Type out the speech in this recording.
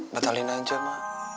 batalin aja mama